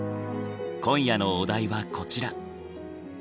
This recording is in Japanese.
今夜のお題はこちら。